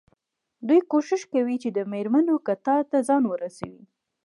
دوی کوښښ کوي چې د مېرمنو کتار ته ځان ورسوي.